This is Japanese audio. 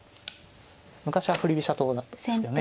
昔は振り飛車党だったんですけどね。